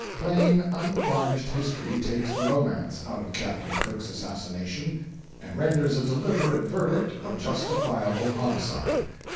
Plain unvarnished history takes the romance out of Captain Cook's assassination, and renders a deliberate verdict of justifiable homicide.